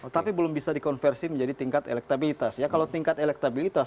tapi belum bisa dikonversi menjadi tingkat elektabilitas